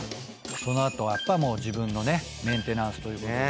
その後やっぱ自分のねメンテナンスということで。